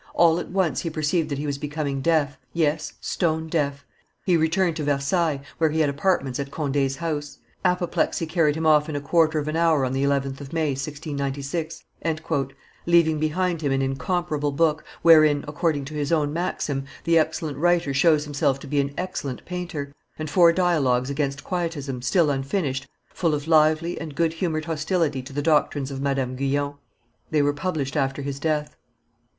All at once he perceived that he was becoming deaf, yes, stone deaf. He returned to Versailles, where he had apartments at Conde's house. Apoplexy carried him off in a quarter of an hour on the 11th of May, 1696," leaving behind him an incomparable book, wherein, according to his own maxim, the excellent writer shows himself to be an excellent painter; and four dialogues against Quietism, still unfinished, full of lively and good humored hostility to the doctrines of Madame Guyon. They were published after his death.